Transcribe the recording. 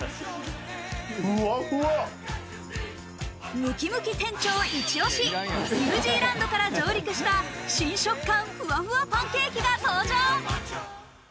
ムキムキ店長イチ押し、ニュージーランドから上陸した新食感ふわふわパンケーキが登場！